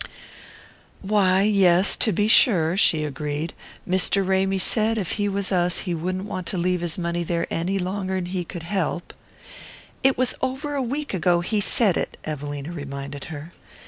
"Why, yes, to be sure," she agreed. "Mr. Ramy said if he was us he wouldn't want to leave his money there any longer'n he could help." "It was over a week ago he said it," Evelina reminded her.